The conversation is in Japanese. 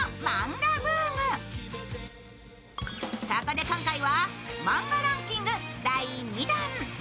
そこで今回はマンガランキング第２弾。